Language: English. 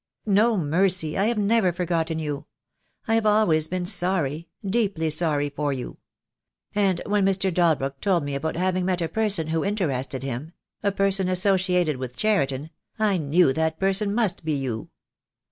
"No, Mercy, I have never forgotten you. I have al ways been sorry — deeply sorry for you. And when Mr. Dalbrook told me about having met a person who in terested him — a person associated wTith Cheriton — I knew that person must be you.